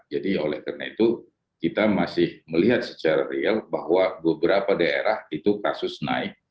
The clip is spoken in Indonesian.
jadi oleh karena itu kita masih melihat secara real bahwa beberapa daerah itu kasus naik